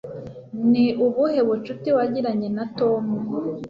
Ni ubuhe bucuti wagiranye na Tom?